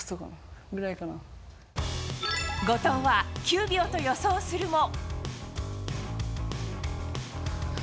後藤は９秒と予想するも。